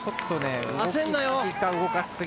焦んなよ！